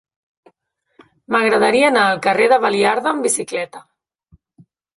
M'agradaria anar al carrer de Baliarda amb bicicleta.